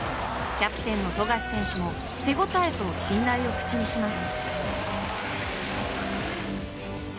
キャプテンの富樫選手も手応えと信頼を口にします。